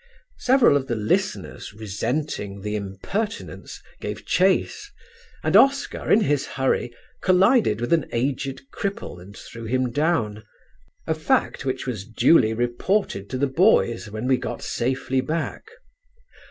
Several of the listeners, resenting the impertinence, gave chase, and Oscar in his hurry collided with an aged cripple and threw him down a fact which was duly reported to the boys when we got safely back.